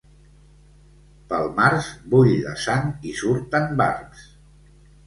Pel març bull la sang i surten barbs.